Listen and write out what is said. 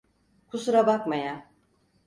Kusura bakma ya.